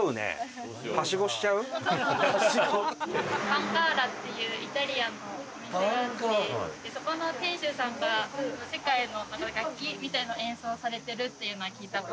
パンカーラっていうイタリアンのお店があってそこの店主さんが世界の楽器みたいのを演奏されてるっていうのは聞いた事があります。